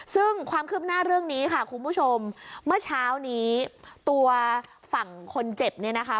ซึ่งความคืบหน้าเรื่องนี้ค่ะคุณผู้ชมเมื่อเช้านี้ตัวฝั่งคนเจ็บเนี่ยนะคะ